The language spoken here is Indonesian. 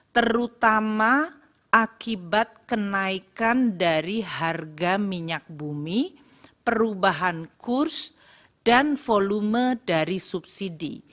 dua ribu dua puluh empat terutama akibat kenaikan dari harga minyak bumi perubahan kurs dan volume dari subsidi